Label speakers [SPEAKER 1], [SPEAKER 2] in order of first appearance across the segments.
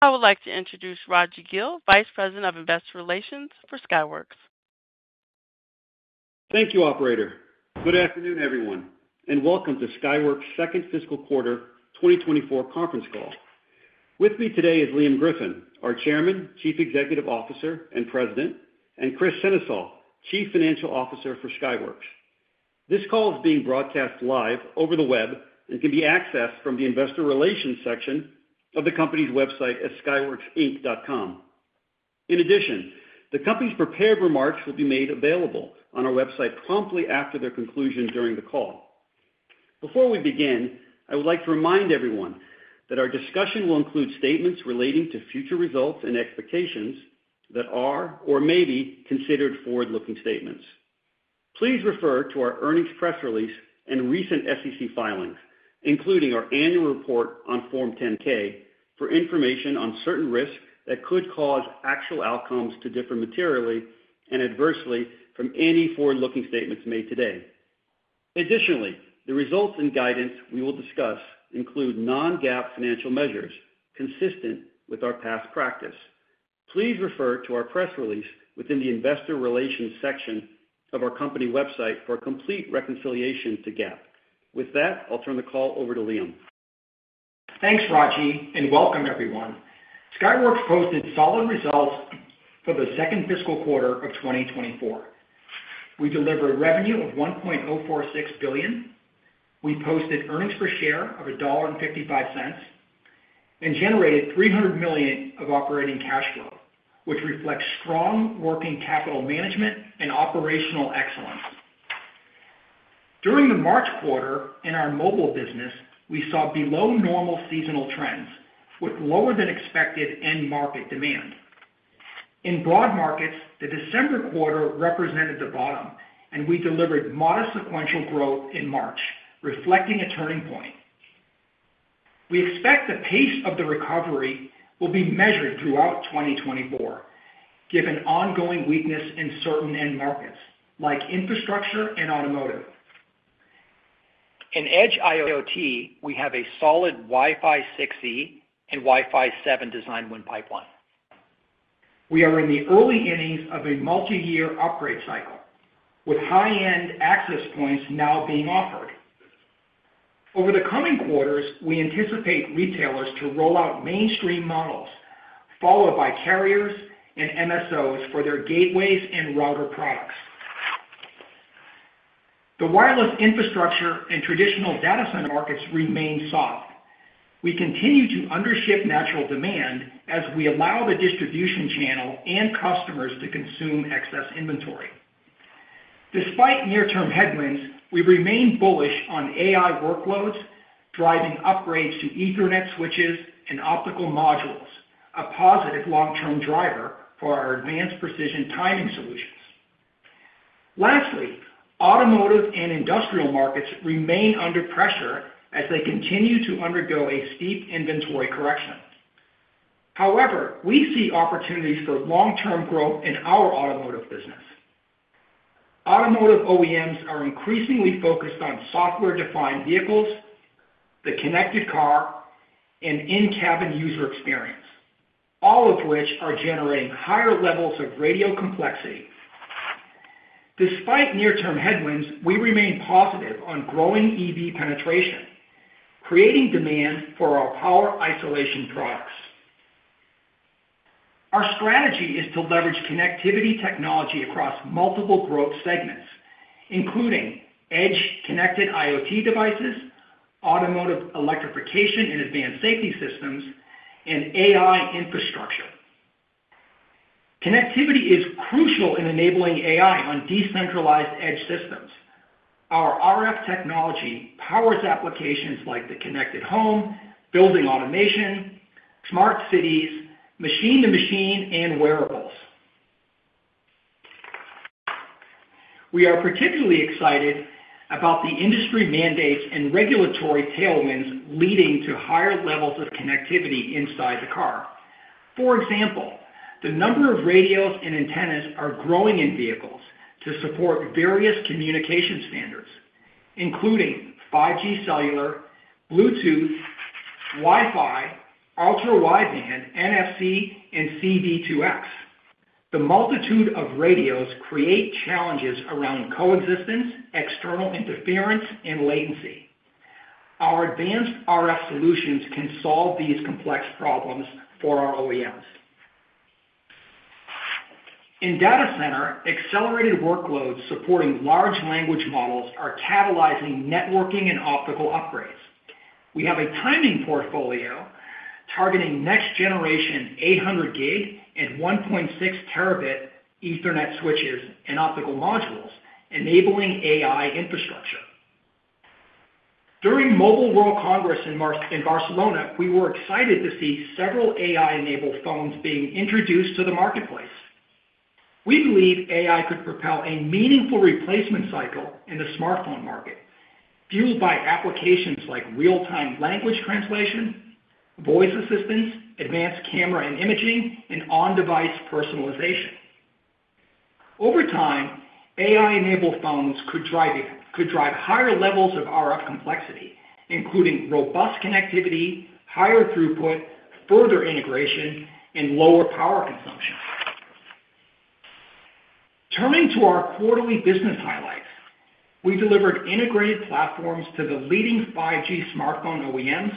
[SPEAKER 1] I would like to introduce Raji Gill, Vice President of Investor Relations for Skyworks.
[SPEAKER 2] Thank you, operator. Good afternoon, everyone, and welcome to Skyworks' second fiscal quarter 2024 conference call. With me today is Liam Griffin, our Chairman, Chief Executive Officer, and President, and Kris Sennesael, Chief Financial Officer for Skyworks. This call is being broadcast live over the web and can be accessed from the Investor Relations section of the company's website at skyworksinc.com. In addition, the company's prepared remarks will be made available on our website promptly after their conclusion during the call. Before we begin, I would like to remind everyone that our discussion will include statements relating to future results and expectations that are or may be considered forward-looking statements. Please refer to our earnings press release and recent SEC filings, including our annual report on Form 10-K for information on certain risks that could cause actual outcomes to differ materially and adversely from any forward-looking statements made today. Additionally, the results and guidance we will discuss include Non-GAAP financial measures consistent with our past practice. Please refer to our press release within the Investor Relations section of our company website for a complete reconciliation to GAAP. With that, I'll turn the call over to Liam.
[SPEAKER 3] Thanks, Raji, and welcome everyone. Skyworks posted solid results for the second fiscal quarter of 2024. We delivered revenue of $1.046 billion. We posted earnings per share of $1.55 and generated $300 million of operating cash flow, which reflects strong working capital management and operational excellence. During the March quarter in our mobile business, we saw below normal seasonal trends with lower than expected end market demand. In broad markets, the December quarter represented the bottom, and we delivered modest sequential growth in March, reflecting a turning point. We expect the pace of the recovery will be measured throughout 2024, given ongoing weakness in certain end markets like infrastructure and automotive. In Edge IoT, we have a solid Wi-Fi 6E and Wi-Fi 7 design win pipeline. We are in the early innings of a multiyear upgrade cycle, with high-end access points now being offered. Over the coming quarters, we anticipate retailers to roll out mainstream models, followed by carriers and MSOs for their gateways and router products. The wireless infrastructure and traditional data center markets remain soft. We continue to under-ship natural demand as we allow the distribution channel and customers to consume excess inventory. Despite near-term headwinds, we remain bullish on AI workloads, driving upgrades to Ethernet switches and optical modules, a positive long-term driver for our advanced precision timing solutions. Lastly, automotive and industrial markets remain under pressure as they continue to undergo a steep inventory correction. However, we see opportunities for long-term growth in our automotive business. Automotive OEMs are increasingly focused on software-defined vehicles, the connected car, and in-cabin user experience, all of which are generating higher levels of radio complexity. Despite near-term headwinds, we remain positive on growing EV penetration, creating demand for our power isolation products. Our strategy is to leverage connectivity technology across multiple growth segments, including edge-connected IoT devices, automotive electrification and advanced safety systems, and AI infrastructure. Connectivity is crucial in enabling AI on decentralized edge systems. Our RF technology powers applications like the connected home, building automation, smart cities, machine-to-machine, and wearables. We are particularly excited about the industry mandates and regulatory tailwinds leading to higher levels of connectivity inside the car. For example, the number of radios and antennas are growing in vehicles to support various communication standards, including 5G cellular, Bluetooth, Wi-Fi, ultra-wideband, NFC, and C-V2X. The multitude of radios create challenges around coexistence, external interference, and latency. Our advanced RF solutions can solve these complex problems for our OEMs. In data center, accelerated workloads supporting large language models are catalyzing networking and optical upgrades. We have a timing portfolio targeting next-generation 800G and 1.6 TB Ethernet switches and optical modules, enabling AI infrastructure. During Mobile World Congress in March in Barcelona, we were excited to see several AI-enabled phones being introduced to the marketplace. We believe AI could propel a meaningful replacement cycle in the smartphone market, fueled by applications like real-time language translation, voice assistance, advanced camera and imaging, and on-device personalization... Over time, AI-enabled phones could drive could drive higher levels of RF complexity, including robust connectivity, higher throughput, further integration, and lower power consumption. Turning to our quarterly business highlights, we delivered integrated platforms to the leading 5G smartphone OEMs,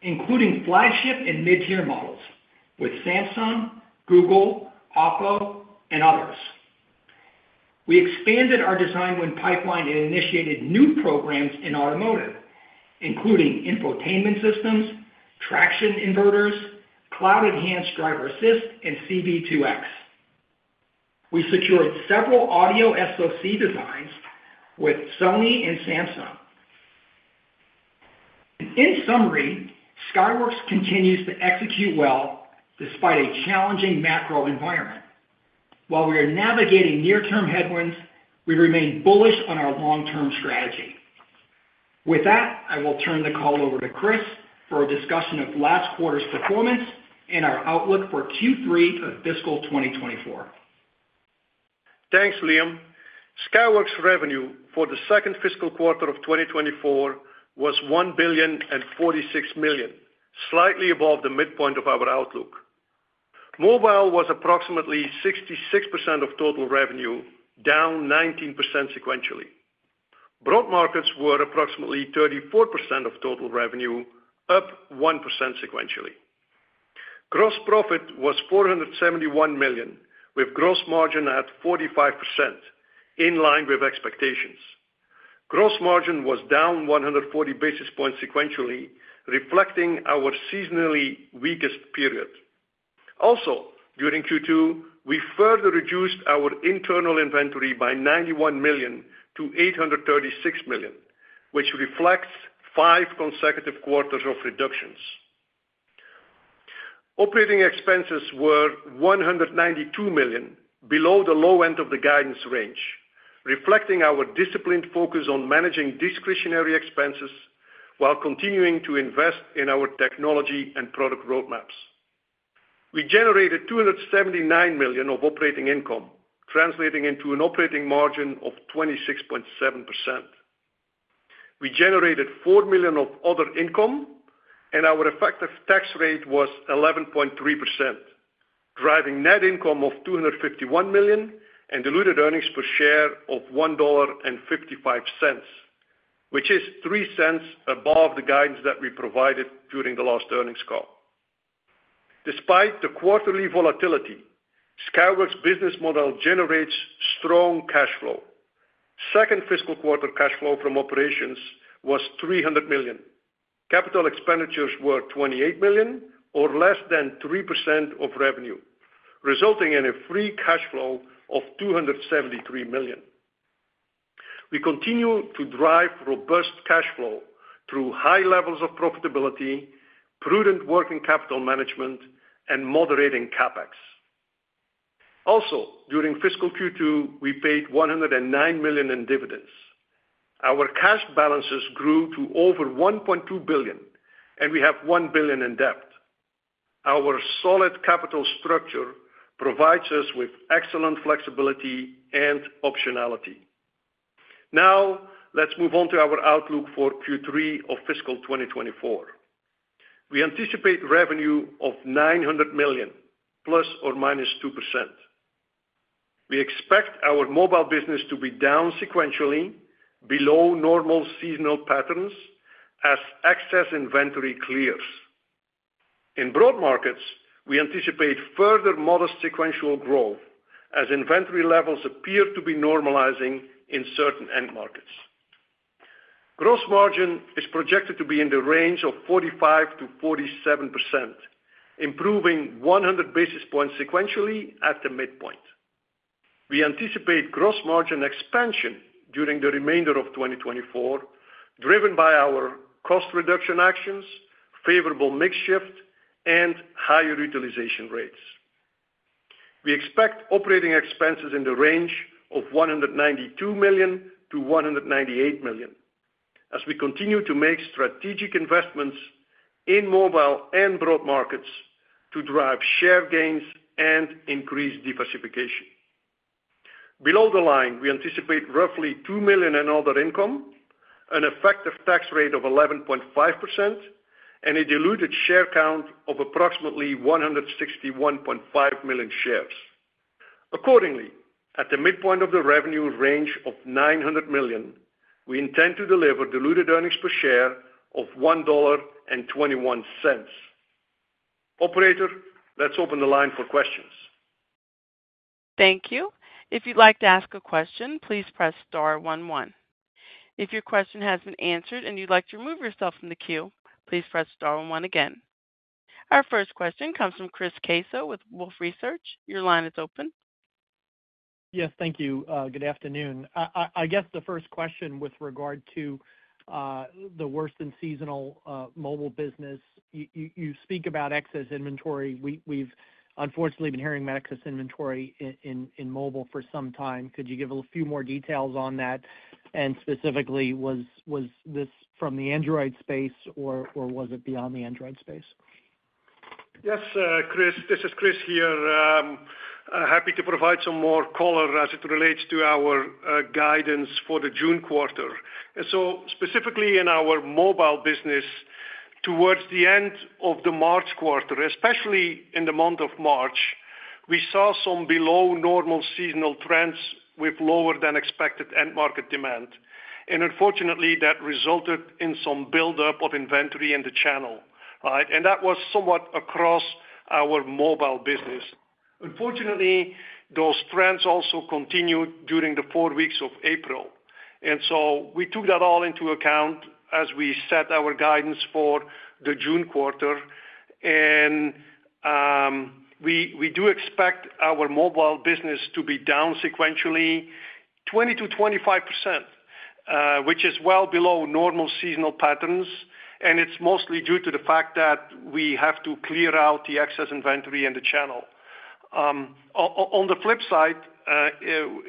[SPEAKER 3] including flagship and mid-tier models with Samsung, Google, OPPO, and others. We expanded our design win pipeline and initiated new programs in automotive, including infotainment systems, traction inverters, cloud-enhanced driver assist, and C-V2X. We secured several audio SoC designs with Sony and Samsung. In summary, Skyworks continues to execute well despite a challenging macro environment. While we are navigating near-term headwinds, we remain bullish on our long-term strategy. With that, I will turn the call over to Kris for a discussion of last quarter's performance and our outlook for Q3 of fiscal 2024.
[SPEAKER 4] Thanks, Liam. Skyworks' revenue for the second fiscal quarter of 2024 was $1.046 billion, slightly above the midpoint of our outlook. Mobile was approximately 66% of total revenue, down 19% sequentially. Broad markets were approximately 34% of total revenue, up 1% sequentially. Gross profit was $471 million, with gross margin at 45%, in line with expectations. Gross margin was down 140 basis points sequentially, reflecting our seasonally weakest period. Also, during Q2, we further reduced our internal inventory by $91 million-$836 million, which reflects five consecutive quarters of reductions. Operating expenses were $192 million, below the low end of the guidance range, reflecting our disciplined focus on managing discretionary expenses while continuing to invest in our technology and product roadmaps. We generated $279 million of operating income, translating into an operating margin of 26.7%. We generated $4 million of other income, and our effective tax rate was 11.3%, driving net income of $251 million and diluted earnings per share of $1.55, which is $0.03 above the guidance that we provided during the last earnings call. Despite the quarterly volatility, Skyworks' business model generates strong cash flow. Second fiscal quarter cash flow from operations was $300 million. Capital expenditures were $28 million, or less than 3% of revenue, resulting in a free cash flow of $273 million. We continue to drive robust cash flow through high levels of profitability, prudent working capital management, and moderating CapEx. Also, during fiscal Q2, we paid $109 million in dividends. Our cash balances grew to over $1.2 billion, and we have $1 billion in debt. Our solid capital structure provides us with excellent flexibility and optionality. Now, let's move on to our outlook for Q3 of fiscal 2024. We anticipate revenue of $900 million, ±2%. We expect our mobile business to be down sequentially below normal seasonal patterns as excess inventory clears. In broad markets, we anticipate further modest sequential growth as inventory levels appear to be normalizing in certain end markets. Gross margin is projected to be in the range of 45%-47%, improving 100 basis points sequentially at the midpoint. We anticipate gross margin expansion during the remainder of 2024, driven by our cost reduction actions, favorable mix shift, and higher utilization rates. We expect operating expenses in the range of $192 million-$198 million as we continue to make strategic investments in mobile and broad markets to drive share gains and increase diversification. Below the line, we anticipate roughly $2 million in other income, an effective tax rate of 11.5%, and a diluted share count of approximately 161.5 million shares. Accordingly, at the midpoint of the revenue range of $900 million, we intend to deliver diluted earnings per share of $1.21. Operator, let's open the line for questions.
[SPEAKER 1] Thank you. If you'd like to ask a question, please press star one, one. If your question has been answered and you'd like to remove yourself from the queue, please press star and one again. Our first question comes from Chris Caso with Wolfe Research. Your line is open.
[SPEAKER 5] Yes, thank you. Good afternoon. I guess the first question with regard to the worse than seasonal mobile business, you speak about excess inventory. We've unfortunately been hearing about excess inventory in mobile for some time. Could you give a few more details on that? And specifically, was this from the Android space, or was it beyond the Android space?
[SPEAKER 4] Yes, Kris, this is Kris here. Happy to provide some more color as it relates to our guidance for the June quarter. So specifically in our mobile business, towards the end of the March quarter, especially in the month of March, we saw some below normal seasonal trends with lower than expected end market demand. Unfortunately, that resulted in some buildup of inventory in the channel, right? That was somewhat across our mobile business. Unfortunately, those trends also continued during the four weeks of April. So we took that all into account as we set our guidance for the June quarter. We do expect our mobile business to be down sequentially 20%-25%, which is well below normal seasonal patterns, and it's mostly due to the fact that we have to clear out the excess inventory in the channel. On the flip side,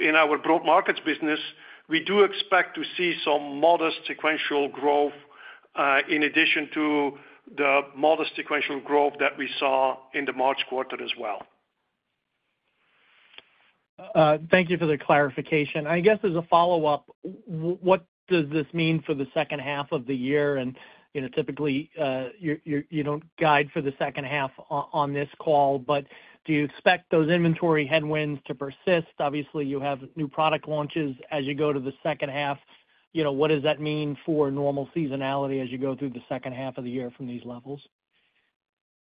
[SPEAKER 4] in our broad markets business, we do expect to see some modest sequential growth, in addition to the modest sequential growth that we saw in the March quarter as well.
[SPEAKER 5] Thank you for the clarification. I guess, as a follow-up, what does this mean for the second half of the year? And, you know, typically, you don't guide for the second half on this call, but do you expect those inventory headwinds to persist? Obviously, you have new product launches as you go to the second half. You know, what does that mean for normal seasonality as you go through the second half of the year from these levels?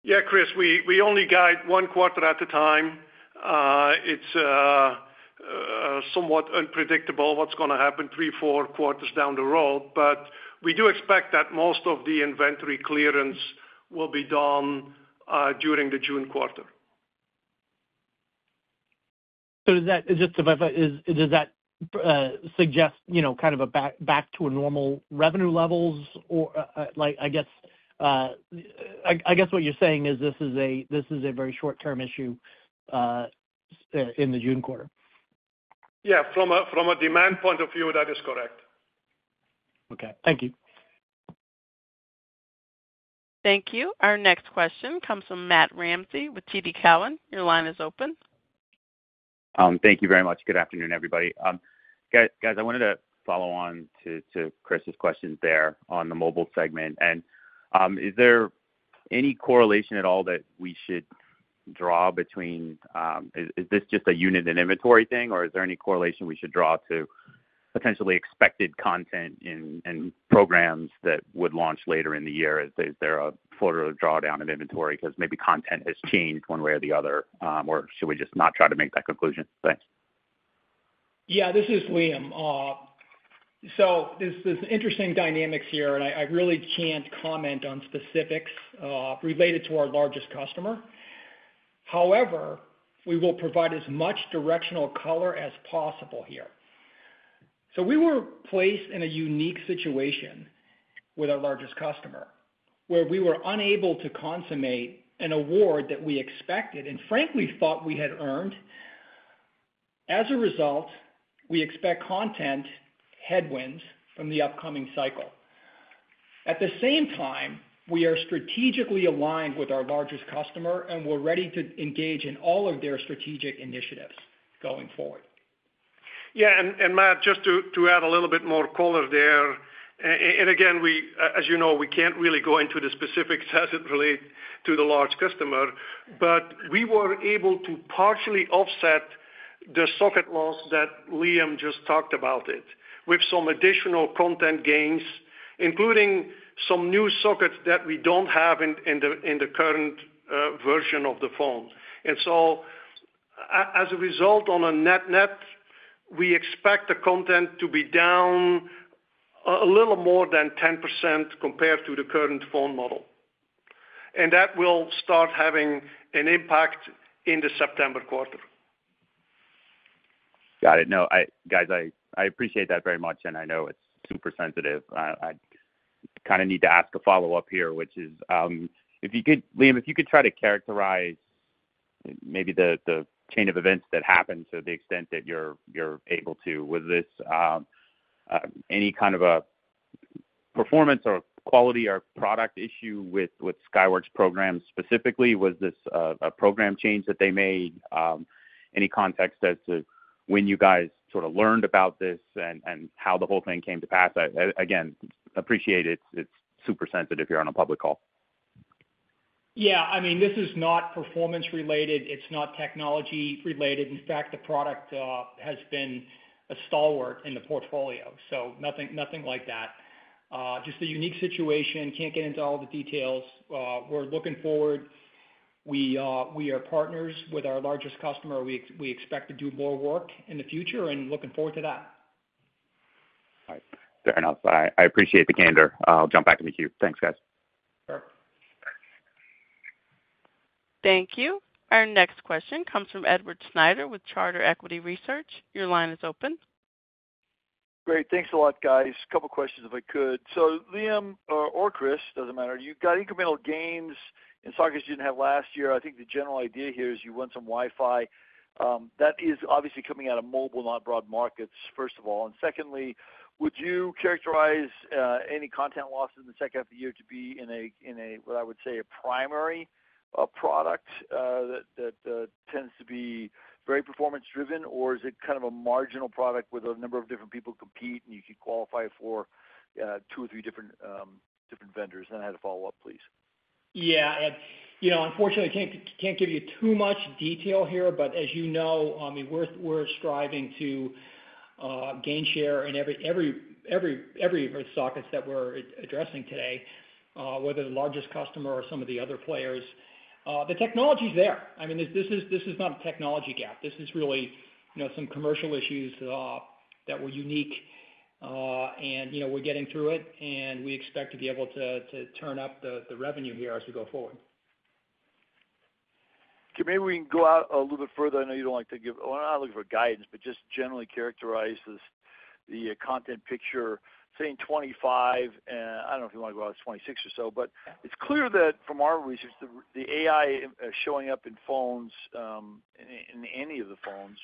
[SPEAKER 4] Yeah, Chris, we only guide one quarter at a time. It's somewhat unpredictable what's gonna happen three, four quarters down the road, but we do expect that most of the inventory clearance will be done during the June quarter.
[SPEAKER 5] So does that, just to verify, does that suggest, you know, kind of back to normal revenue levels? Or, like, I guess what you're saying is this is a very short-term issue in the June quarter.
[SPEAKER 4] Yeah, from a demand point of view, that is correct.
[SPEAKER 5] Okay. Thank you.
[SPEAKER 1] Thank you. Our next question comes from Matt Ramsay with TD Cowen. Your line is open.
[SPEAKER 6] Thank you very much. Good afternoon, everybody. Guys, guys, I wanted to follow on to Chris's questions there on the mobile segment. And is there any correlation at all that we should draw between... Is this just a unit and inventory thing, or is there any correlation we should draw to potentially expected content and programs that would launch later in the year? Is there a further drawdown of inventory because maybe content has changed one way or the other? Or should we just not try to make that conclusion? Thanks.
[SPEAKER 3] Yeah, this is Liam. There's this interesting dynamics here, and I, I really can't comment on specifics related to our largest customer. However, we will provide as much directional color as possible here. We were placed in a unique situation with our largest customer, where we were unable to consummate an award that we expected and frankly thought we had earned. As a result, we expect content headwinds from the upcoming cycle. At the same time, we are strategically aligned with our largest customer, and we're ready to engage in all of their strategic initiatives going forward.
[SPEAKER 4] Yeah, Matt, just to add a little bit more color there, and again, as you know, we can't really go into the specifics as it relate to the large customer, but we were able to partially offset the socket loss that Liam just talked about, with some additional content gains, including some new sockets that we don't have in the current version of the phone. And so as a result, on a net-net, we expect the content to be down a little more than 10% compared to the current phone model. And that will start having an impact in the September quarter.
[SPEAKER 6] Got it. No, Guys, I appreciate that very much, and I know it's super sensitive. I kind of need to ask a follow-up here, which is, if you could, Liam, if you could try to characterize maybe the chain of events that happened to the extent that you're able. Was this any kind of a performance or quality or product issue with Skyworks programs specifically? Was this a program change that they made? Any context as to when you guys sort of learned about this and how the whole thing came to pass? I again appreciate it's super sensitive here on a public call.
[SPEAKER 3] Yeah. I mean, this is not performance related. It's not technology related. In fact, the product has been a stalwart in the portfolio, so nothing, nothing like that. Just a unique situation. Can't get into all the details. We're looking forward. We, we are partners with our largest customer. We, we expect to do more work in the future and looking forward to that.
[SPEAKER 6] All right. Fair enough. I appreciate the candor. I'll jump back in the queue. Thanks, guys.
[SPEAKER 4] Sure.
[SPEAKER 1] Thank you. Our next question comes from Edward Snyder with Charter Equity Research. Your line is open.
[SPEAKER 7] Great. Thanks a lot, guys. A couple questions, if I could. So Liam or Kris, doesn't matter, you've got incremental gains in sockets you didn't have last year. I think the general idea here is you want some Wi-Fi. That is obviously coming out of mobile, not broad markets, first of all. And secondly, would you characterize any content loss in the second half of the year to be in a, what I would say, a primary product that tends to be very performance-driven, or is it kind of a marginal product with a number of different people compete, and you could qualify for two or three different vendors? And I had a follow-up, please.
[SPEAKER 3] Yeah, Ed, you know, unfortunately, I can't give you too much detail here, but as you know, I mean, we're striving to gain share in every socket that we're addressing today, whether the largest customer or some of the other players. The technology's there. I mean, this is not a technology gap. This is really, you know, some commercial issues that were unique, and, you know, we're getting through it, and we expect to be able to turn up the revenue here as we go forward.
[SPEAKER 7] Okay, maybe we can go out a little bit further. I know you don't like to give—well, I'm not looking for guidance, but just generally characterize this, the content picture, saying 2025, and I don't know if you wanna go out to 2026 or so, but it's clear that from our research, the AI showing up in phones in any of the phones,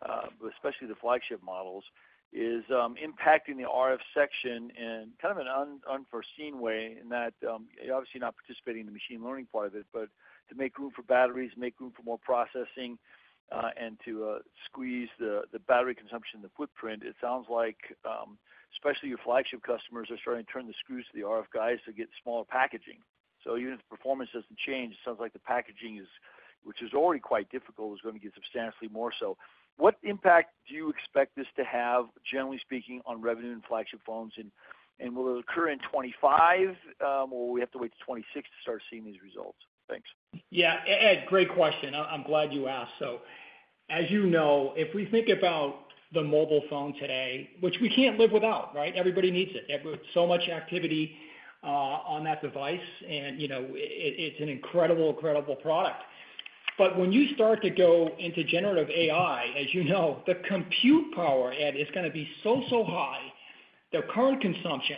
[SPEAKER 7] but especially the flagship models, is impacting the RF section in kind of an unforeseen way in that, you're obviously not participating in the machine learning part of it. But to make room for batteries, make room for more processing, and to squeeze the battery consumption, the footprint, it sounds like especially your flagship customers are starting to turn the screws to the RF guys to get smaller packaging. So even if the performance doesn't change, it sounds like the packaging is, which is already quite difficult, is gonna get substantially more so. What impact do you expect this to have, generally speaking, on revenue and flagship phones? And will it occur in 2025, or we have to wait to 2026 to start seeing these results? Thanks.
[SPEAKER 3] Yeah, Ed, great question. I'm glad you asked. So as you know, if we think about the mobile phone today, which we can't live without, right? Everybody needs it. So much activity on that device and, you know, it's an incredible, incredible product. But when you start to go into generative AI, as you know, the compute power, Ed, is gonna be so, so high, the current consumption,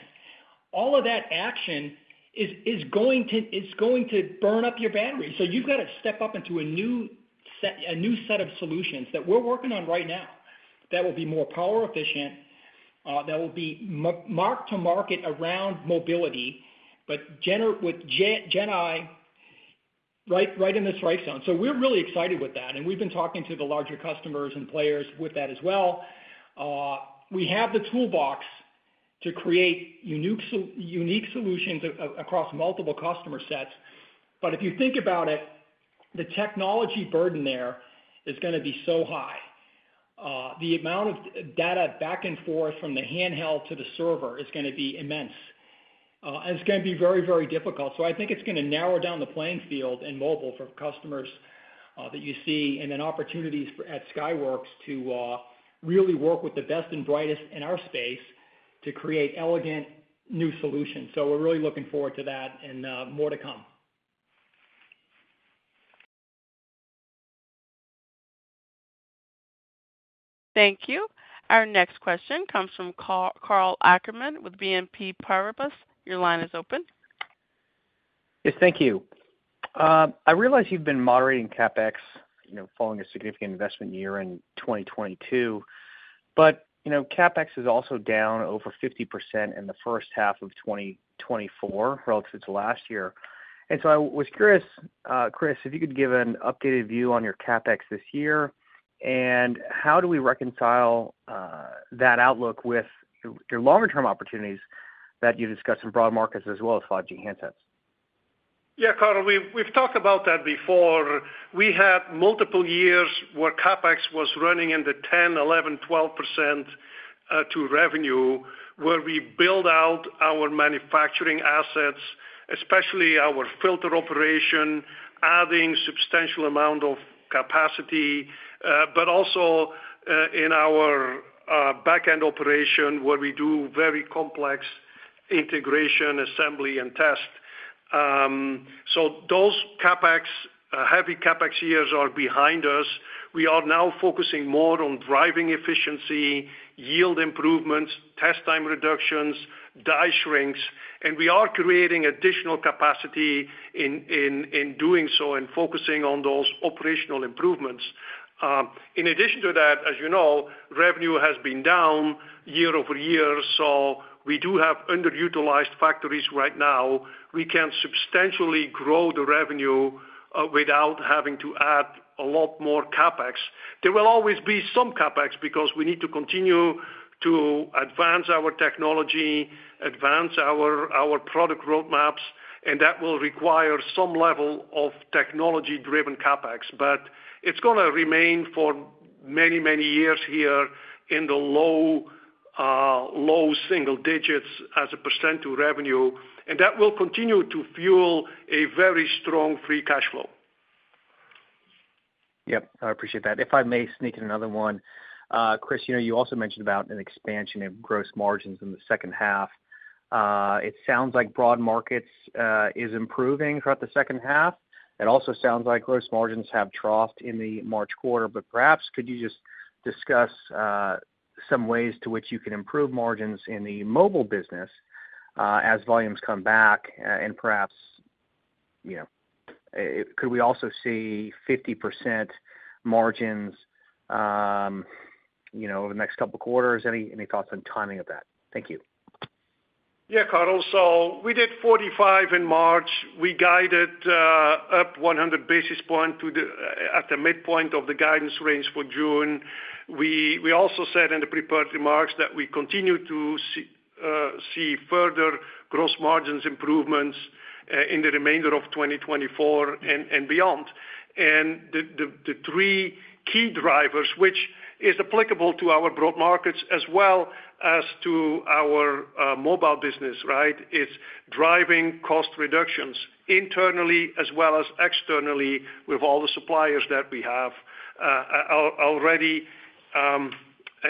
[SPEAKER 3] all of that action is going to burn up your battery. So you've got to step up into a new set, a new set of solutions that we're working on right now, that will be more power efficient, that will be mark-to-market around mobility, but with Gen AI, right, right in the strike zone. So we're really excited with that, and we've been talking to the larger customers and players with that as well. We have the toolbox to create unique solutions across multiple customer sets. But if you think about it, the technology burden there is gonna be so high. The amount of data back and forth from the handheld to the server is gonna be immense, and it's gonna be very, very difficult. So I think it's gonna narrow down the playing field in mobile for customers that you see, and then opportunities at Skyworks to really work with the best and brightest in our space to create elegant new solutions. So we're really looking forward to that and, more to come.
[SPEAKER 1] Thank you. Our next question comes from Karl Ackerman with BNP Paribas. Your line is open.
[SPEAKER 8] Yes, thank you. I realize you've been moderating CapEx, you know, following a significant investment year in 2022, but, you know, CapEx is also down over 50% in the first half of 2024 relative to last year. And so I was curious, Chris, if you could give an updated view on your CapEx this year, and how do we reconcile, that outlook with your, your longer-term opportunities that you discussed in broad markets as well as 5G handsets?
[SPEAKER 4] Yeah, Karl, we've talked about that before. We had multiple years where CapEx was running in the 10%, 11%, 12% to revenue, where we build out our manufacturing assets, especially our filter operation, adding substantial amount of capacity, but also in our backend operation, where we do very complex integration, assembly, and test. So those CapEx heavy CapEx years are behind us. We are now focusing more on driving efficiency, yield improvements, test time reductions, die shrinks, and we are creating additional capacity in doing so and focusing on those operational improvements. In addition to that, as you know, revenue has been down year-over-year, so we do have underutilized factories right now. We can substantially grow the revenue without having to add a lot more CapEx. There will always be some CapEx because we need to continue to advance our technology, advance our product roadmaps, and that will require some level of technology-driven CapEx. But it's gonna remain for many, many years here in the low, low single digits as a % to revenue, and that will continue to fuel a very strong free cash flow.
[SPEAKER 8] Yep, I appreciate that. If I may sneak in another one. Chris, you know, you also mentioned about an expansion in gross margins in the second half. It sounds like broad markets is improving throughout the second half. It also sounds like gross margins have troughed in the March quarter, but perhaps could you just discuss some ways to which you can improve margins in the mobile business, as volumes come back, and perhaps, you know, could we also see 50% margins, you know, over the next couple of quarters? Any, any thoughts on timing of that? Thank you.
[SPEAKER 4] Yeah, Karl. So we did 45% in March. We guided up 100 basis points to the midpoint of the guidance range for June. We also said in the prepared remarks that we continue to see further gross margins improvements in the remainder of 2024 and beyond. And the three key drivers, which is applicable to our broad markets as well as to our mobile business, right, is driving cost reductions internally as well as externally with all the suppliers that we have. I already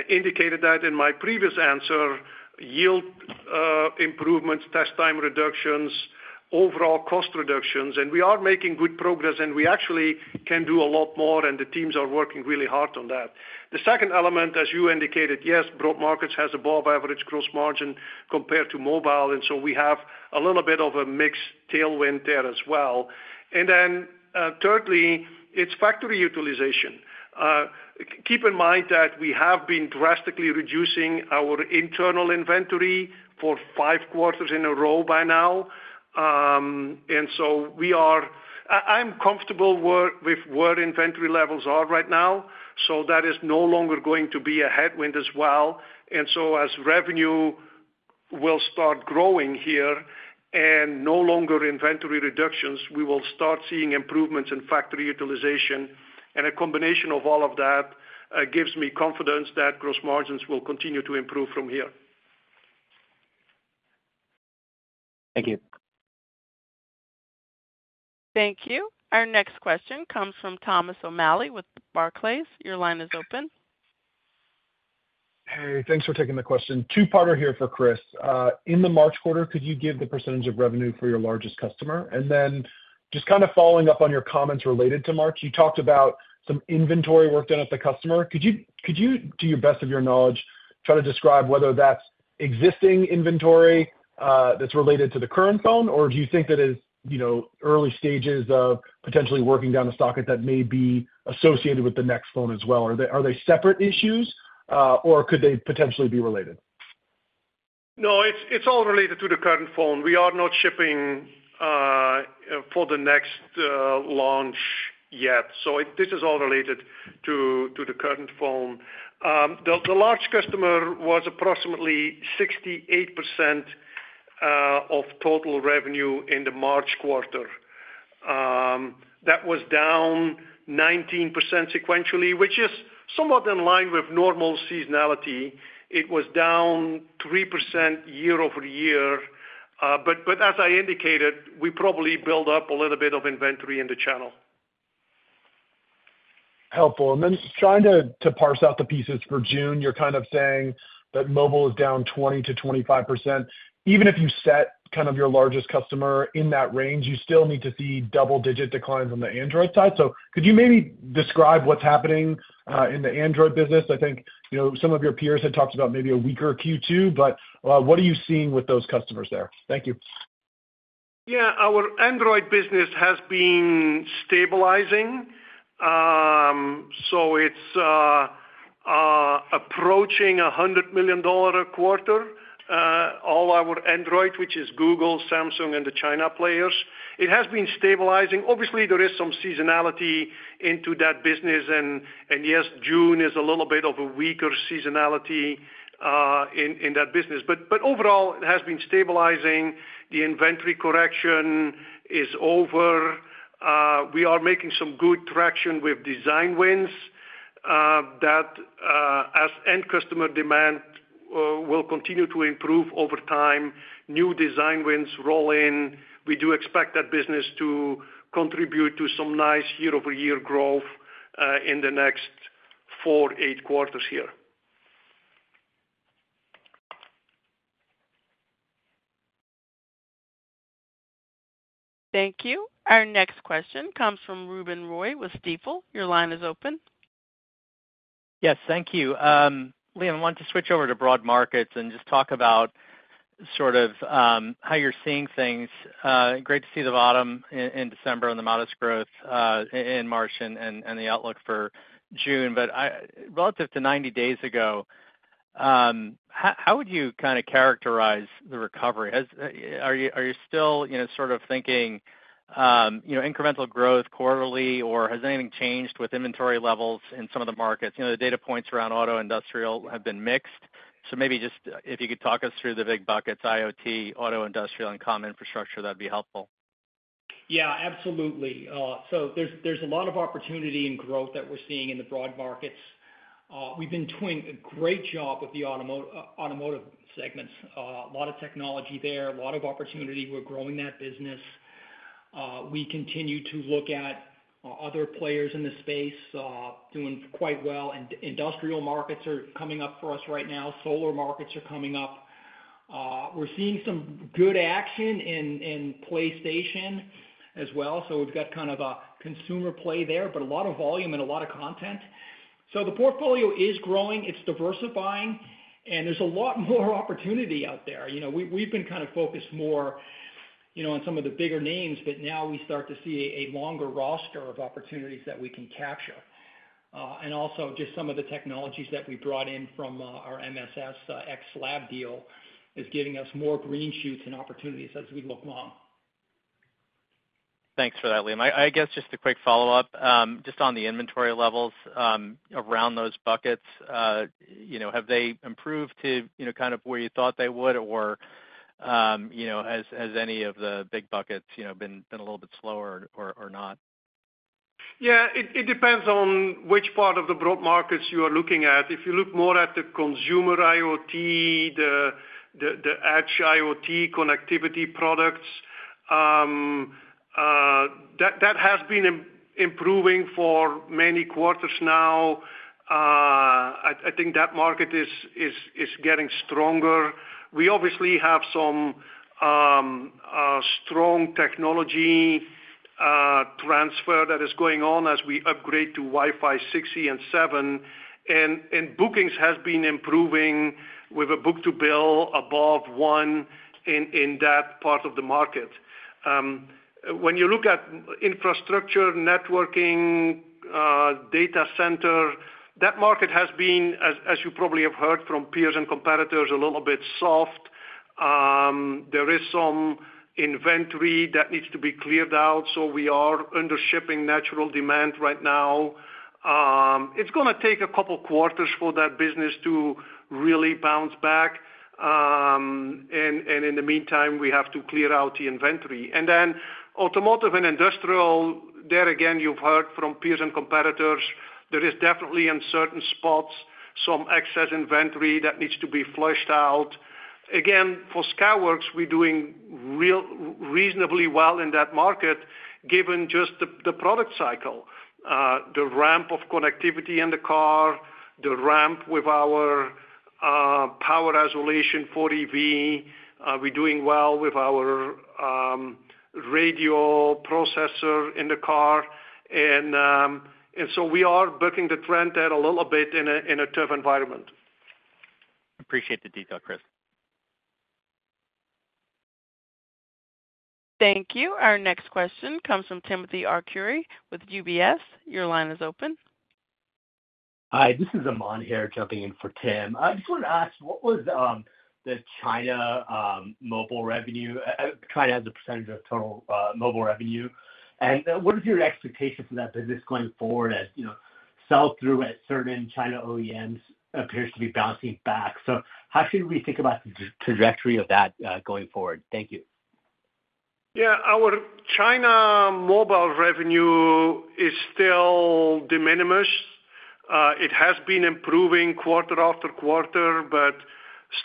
[SPEAKER 4] indicated that in my previous answer, yield improvements, test time reductions, overall cost reductions, and we are making good progress, and we actually can do a lot more, and the teams are working really hard on that. The second element, as you indicated, yes, broad markets has above average gross margin compared to mobile, and so we have a little bit of a mixed tailwind there as well. And then, thirdly, it's factory utilization. Keep in mind that we have been drastically reducing our internal inventory for five quarters in a row by now. And so we are—I'm comfortable with where inventory levels are right now, so that is no longer going to be a headwind as well. And so as revenue will start growing here and no longer inventory reductions, we will start seeing improvements in factory utilization, and a combination of all of that gives me confidence that gross margins will continue to improve from here.
[SPEAKER 8] Thank you.
[SPEAKER 1] Thank you. Our next question comes from Thomas O'Malley with Barclays. Your line is open.
[SPEAKER 9] Hey, thanks for taking the question. Two-parter here for Chris. In the March quarter, could you give the percentage of revenue for your largest customer? And then just kind of following up on your comments related to March, you talked about some inventory work done at the customer. Could you to your best of your knowledge try to describe whether that's existing inventory that's related to the current phone? Or do you think that is, you know, early stages of potentially working down a stock that may be associated with the next phone as well? Are they separate issues or could they potentially be related?
[SPEAKER 4] No, it's, it's all related to the current phone. We are not shipping for the next launch yet. So this is all related to, to the current phone. The large customer was approximately 68% of total revenue in the March quarter. That was down 19 sequentially, which is somewhat in line with normal seasonality. It was down 3% year-over-year, but as I indicated, we probably built up a little bit of inventory in the channel.
[SPEAKER 9] Helpful. Then trying to parse out the pieces for June, you're kind of saying that mobile is down 20%-25%. Even if you set kind of your largest customer in that range, you still need to see double-digit declines on the Android side. So could you maybe describe what's happening in the Android business? I think, you know, some of your peers had talked about maybe a weaker Q2, but what are you seeing with those customers there? Thank you.
[SPEAKER 4] Yeah. Our Android business has been stabilizing. So it's approaching $100 million a quarter, all our Android, which is Google, Samsung, and the China players. It has been stabilizing. Obviously, there is some seasonality into that business, and yes, June is a little bit of a weaker seasonality, in that business. But overall, it has been stabilizing. The inventory correction is over. We are making some good traction with design wins, that as end customer demand will continue to improve over time, new design wins roll in. We do expect that business to contribute to some nice year-over-year growth, in the next four, eight quarters here.
[SPEAKER 1] Thank you. Our next question comes from Ruben Roy with Stifel. Your line is open.
[SPEAKER 10] Yes, thank you. Liam, I want to switch over to broad markets and just talk about sort of, how you're seeing things. Great to see the bottom in December and the modest growth in March and the outlook for June. But relative to 90 days ago, how would you kind of characterize the recovery? Are you still, you know, sort of thinking, you know, incremental growth quarterly, or has anything changed with inventory levels in some of the markets? You know, the data points around auto industrial have been mixed. So maybe just if you could talk us through the big buckets, IoT, auto industrial, and common infrastructure, that'd be helpful.
[SPEAKER 3] Yeah, absolutely. So there's, there's a lot of opportunity and growth that we're seeing in the broad markets. We've been doing a great job with the automotive segments. A lot of technology there, a lot of opportunity. We're growing that business. We continue to look at other players in the space doing quite well, and industrial markets are coming up for us right now. Solar markets are coming up. We're seeing some good action in PlayStation as well. So we've got kind of a consumer play there, but a lot of volume and a lot of content. So the portfolio is growing, it's diversifying, and there's a lot more opportunity out there. You know, we've been kind of focused more, you know, on some of the bigger names, but now we start to see a longer roster of opportunities that we can capture. And also just some of the technologies that we brought in from our I&A ex-SLAB deal is giving us more green shoots and opportunities as we look long.
[SPEAKER 10] Thanks for that, Liam. I guess just a quick follow-up, just on the inventory levels, around those buckets, you know, have they improved to, you know, kind of where you thought they would? Or, you know, has any of the big buckets, you know, been a little bit slower or not?
[SPEAKER 4] Yeah, it depends on which part of the broad markets you are looking at. If you look more at the consumer IoT, the Edge IoT connectivity products, that has been improving for many quarters now. I think that market is getting stronger. We obviously have some strong technology transfer that is going on as we upgrade to Wi-Fi 6E and Wi-Fi 7, and bookings has been improving with a book to bill above one in that part of the market. When you look at infrastructure, networking, data center, that market has been, as you probably have heard from peers and competitors, a little bit soft. There is some inventory that needs to be cleared out, so we are under shipping natural demand right now. It's gonna take a couple quarters for that business to really bounce back. In the meantime, we have to clear out the inventory. Then automotive and industrial, there again, you've heard from peers and competitors, there is definitely in certain spots, some excess inventory that needs to be flushed out. Again, for Skyworks, we're doing reasonably well in that market, given just the product cycle, the ramp of connectivity in the car, the ramp with our power isolation, for EV. We're doing well with our radio processor in the car, and so we are bucking the trend a little bit in a tough environment.
[SPEAKER 10] Appreciate the detail, Chris.
[SPEAKER 1] Thank you. Our next question comes from Timothy Arcuri with UBS. Your line is open.
[SPEAKER 11] Hi, this is Aman here, jumping in for Tim. I just wanted to ask, what was the China mobile revenue, China as a percentage of total mobile revenue? And what is your expectation for that business going forward, as you know, sell-through at certain China OEMs appears to be bouncing back? So how should we think about the trajectory of that going forward? Thank you.
[SPEAKER 4] Yeah. Our China mobile revenue is still de minimis. It has been improving quarter after quarter, but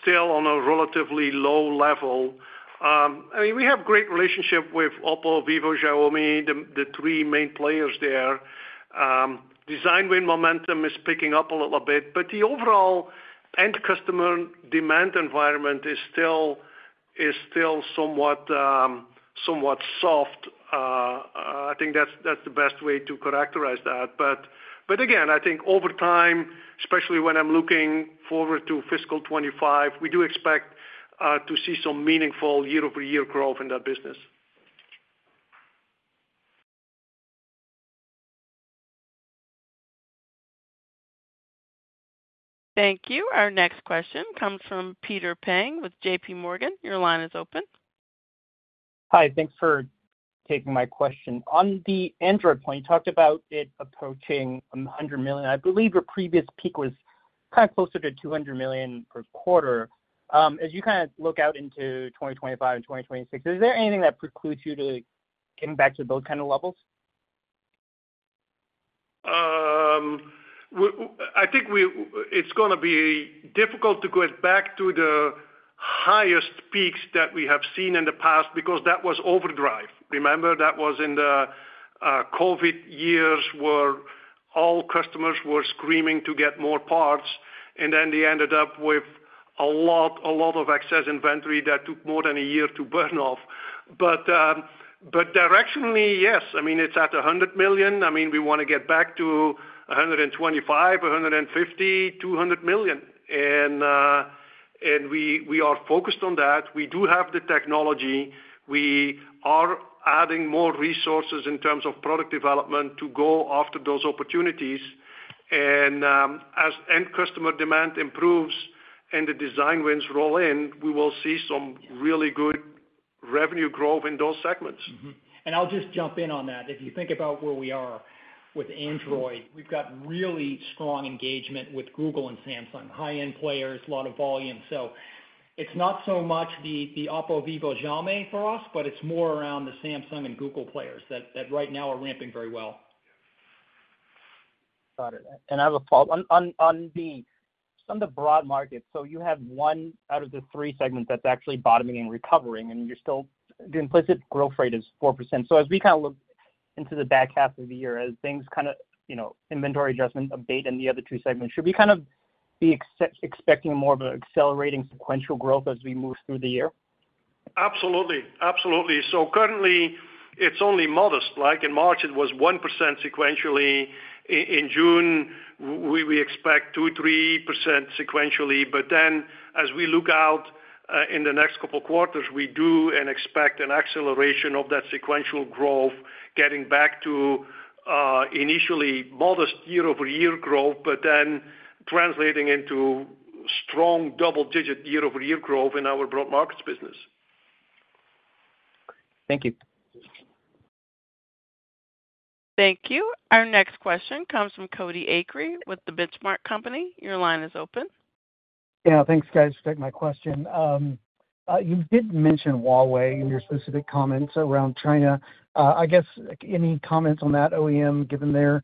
[SPEAKER 4] still on a relatively low level. I mean, we have great relationship with OPPO, Vivo, Xiaomi, the, the three main players there. Design win momentum is picking up a little bit, but the overall end customer demand environment is still, is still somewhat, somewhat soft. I think that's, that's the best way to characterize that. But, but again, I think over time, especially when I'm looking forward to fiscal 2025, we do expect, to see some meaningful year-over-year growth in that business.
[SPEAKER 1] Thank you. Our next question comes from Peter Peng with J.P. Morgan. Your line is open.
[SPEAKER 12] Hi, thanks for taking my question. On the Android point, you talked about it approaching 100 million. I believe your previous peak was kind of closer to 200 million per quarter. As you kind of look out into 2025 and 2026, is there anything that precludes you to getting back to those kind of levels?
[SPEAKER 4] I think it's gonna be difficult to go back to the highest peaks that we have seen in the past because that was overdrive. Remember, that was in the COVID years, where all customers were screaming to get more parts, and then they ended up with a lot, a lot of excess inventory that took more than a year to burn off. But, but directionally, yes, I mean, it's at $100 million. I mean, we wanna get back to $125 million, $150 million, $200 million. And, and we, we are focused on that. We do have the technology. We are adding more resources in terms of product development to go after those opportunities, and, as end customer demand improves and the design wins roll in, we will see some really good revenue growth in those segments.
[SPEAKER 3] Mm-hmm. I'll just jump in on that. If you think about where we are with Android, we've got really strong engagement with Google and Samsung, high-end players, a lot of volume. So it's not so much the OPPO, Vivo, Xiaomi for us, but it's more around the Samsung and Google players that right now are ramping very well....
[SPEAKER 12] Got it. And I have a follow-up. On the broad market, so you have one out of the three segments that's actually bottoming and recovering, and you're still, the implicit growth rate is 4%. So as we kind of look into the back half of the year, as things kind of, you know, inventory adjustment abate in the other two segments, should we kind of be expecting more of an accelerating sequential growth as we move through the year?
[SPEAKER 4] Absolutely. Absolutely. So currently, it's only modest. Like in March, it was 1% sequentially. In June, we expect 2%-3% sequentially. But then as we look out, in the next couple quarters, we do and expect an acceleration of that sequential growth, getting back to, initially modest year-over-year growth, but then translating into strong double-digit year-over-year growth in our broad markets business.
[SPEAKER 12] Thank you.
[SPEAKER 1] Thank you. Our next question comes from Cody Acre with The Benchmark Company. Your line is open.
[SPEAKER 13] Yeah, thanks, guys. Thanks for taking my question. You did mention Huawei in your specific comments around China. I guess, any comments on that OEM, given their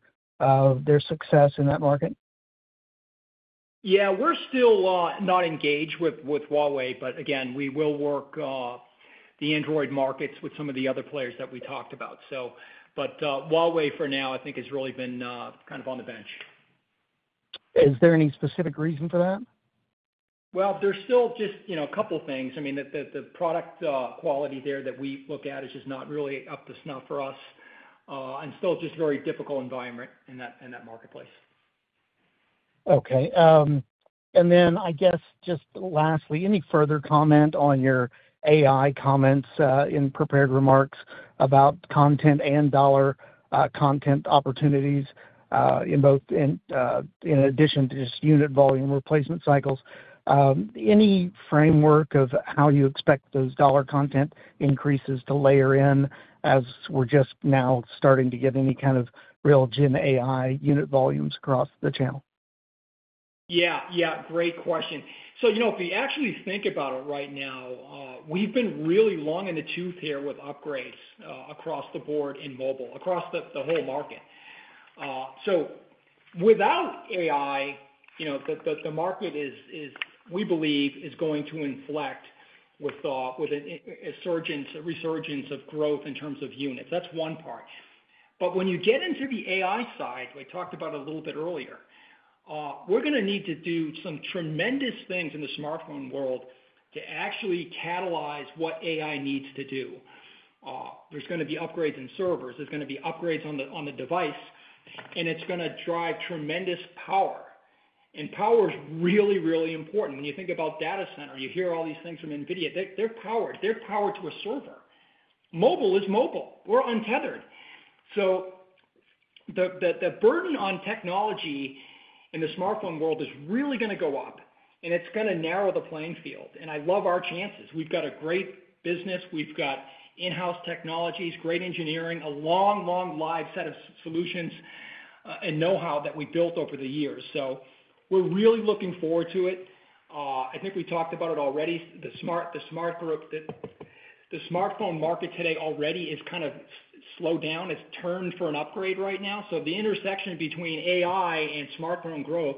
[SPEAKER 13] success in that market?
[SPEAKER 3] Yeah, we're still not engaged with Huawei, but again, we will work the Android markets with some of the other players that we talked about. So, but, Huawei, for now, I think has really been kind of on the bench.
[SPEAKER 13] Is there any specific reason for that?
[SPEAKER 3] Well, there's still just, you know, a couple things. I mean, the product quality there that we look at is just not really up to snuff for us, and still just very difficult environment in that marketplace.
[SPEAKER 13] Okay, and then I guess, just lastly, any further comment on your AI comments in prepared remarks about content and dollar content opportunities in both, in addition to just unit volume replacement cycles, any framework of how you expect those dollar content increases to layer in as we're just now starting to get any kind of real gen AI unit volumes across the channel?
[SPEAKER 3] Yeah, yeah, great question. So, you know, if we actually think about it right now, we've been really long in the tooth here with upgrades across the board in mobile, across the whole market. So without AI, you know, the market is, we believe, going to inflect with a resurgence of growth in terms of units. That's one part. But when you get into the AI side, we talked about a little bit earlier, we're gonna need to do some tremendous things in the smartphone world to actually catalyze what AI needs to do. There's gonna be upgrades in servers, there's gonna be upgrades on the device, and it's gonna drive tremendous power. And power is really, really important. When you think about data center, you hear all these things from NVIDIA; they're powered. They're powered to a server. Mobile is mobile. We're untethered. So the burden on technology in the smartphone world is really gonna go up, and it's gonna narrow the playing field, and I love our chances. We've got a great business. We've got in-house technologies, great engineering, a long, long list of solutions, and know-how that we built over the years. So we're really looking forward to it. I think we talked about it already, the smartphone, the smartphone group, the smartphone market today already is kind of slowed down. It's turned for an upgrade right now. So the intersection between AI and smartphone growth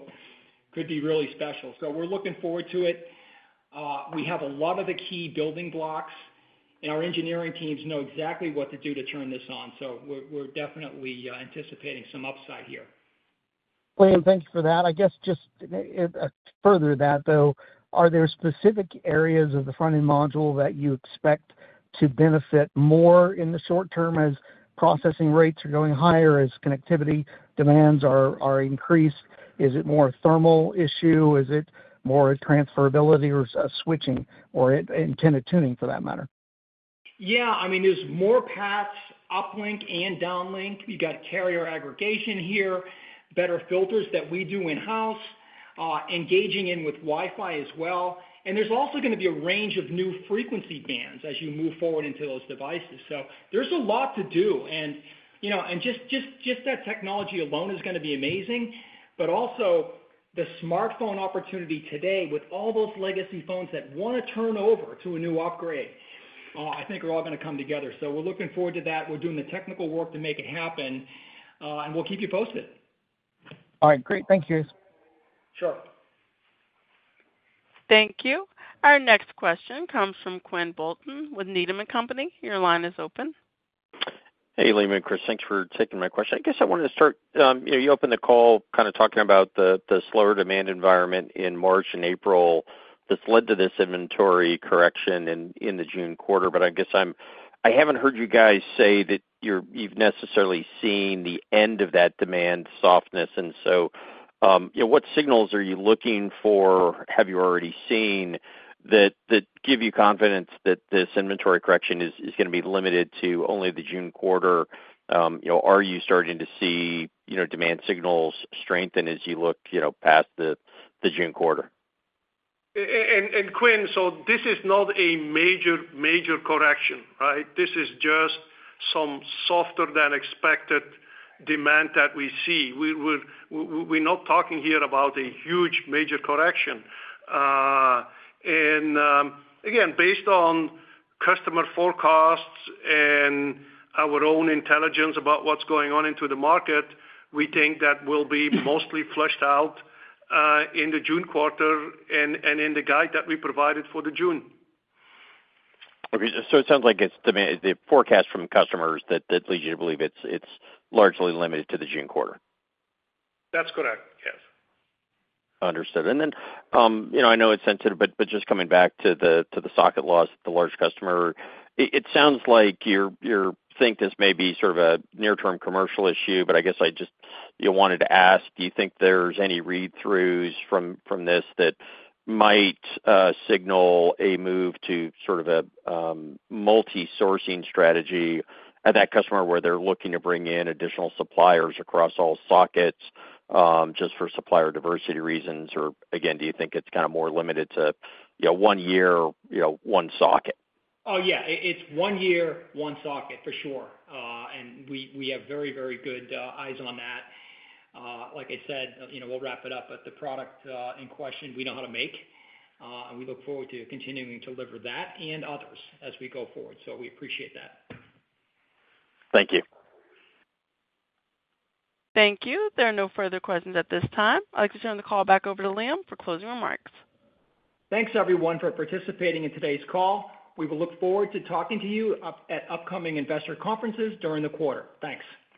[SPEAKER 3] could be really special. So we're looking forward to it. We have a lot of the key building blocks, and our engineering teams know exactly what to do to turn this on. So we're definitely anticipating some upside here.
[SPEAKER 13] Liam, thank you for that. I guess just to further that, though, are there specific areas of the front-end module that you expect to benefit more in the short term as processing rates are going higher, as connectivity demands are increased? Is it more a thermal issue? Is it more a transferability or a switching or antenna tuning, for that matter?
[SPEAKER 3] Yeah, I mean, there's more paths, uplink and downlink. You got carrier aggregation here, better filters that we do in-house, engaging in with Wi-Fi as well. And there's also gonna be a range of new frequency bands as you move forward into those devices. So there's a lot to do. And, you know, just that technology alone is gonna be amazing, but also, the smartphone opportunity today with all those legacy phones that wanna turn over to a new upgrade, I think are all gonna come together. So we're looking forward to that. We're doing the technical work to make it happen, and we'll keep you posted.
[SPEAKER 13] All right, great. Thank you.
[SPEAKER 3] Sure.
[SPEAKER 1] Thank you. Our next question comes from Quinn Bolton with Needham & Company. Your line is open.
[SPEAKER 14] Hey, Liam and Kris, thanks for taking my question. I guess I wanted to start, you know, you opened the call kind of talking about the slower demand environment in March and April that's led to this inventory correction in the June quarter. But I guess I haven't heard you guys say that you've necessarily seen the end of that demand softness, and so, you know, what signals are you looking for, or have you already seen, that give you confidence that this inventory correction is gonna be limited to only the June quarter? You know, are you starting to see demand signals strengthen as you look past the June quarter?
[SPEAKER 4] And, Quinn, so this is not a major correction, right? This is just some softer than expected demand that we see. We're not talking here about a huge, major correction. And again, based on customer forecasts and our own intelligence about what's going on into the market, we think that will be mostly flushed out in the June quarter and in the guide that we provided for the June.
[SPEAKER 14] Okay, so it sounds like it's demand, the forecast from customers that leads you to believe it's largely limited to the June quarter?
[SPEAKER 4] That's correct, yes.
[SPEAKER 14] Understood. And then, you know, I know it's sensitive, but, but just coming back to the, to the socket loss, the large customer, it, it sounds like you're, you're thinking this may be sort of a near-term commercial issue, but I guess I just, you know, wanted to ask: Do you think there's any read-throughs from, from this that might, signal a move to sort of a, multi-sourcing strategy at that customer, where they're looking to bring in additional suppliers across all sockets, just for supplier diversity reasons? Or again, do you think it's kind of more limited to, you know, one year, you know, one socket?
[SPEAKER 3] Oh, yeah. It's one year, one socket, for sure. And we have very, very good eyes on that. Like I said, you know, we'll wrap it up, but the product in question, we know how to make, and we look forward to continuing to deliver that and others as we go forward. So we appreciate that.
[SPEAKER 14] Thank you.
[SPEAKER 1] Thank you. There are no further questions at this time. I'd like to turn the call back over to Liam for closing remarks.
[SPEAKER 3] Thanks, everyone, for participating in today's call. We will look forward to talking to you at upcoming investor conferences during the quarter. Thanks.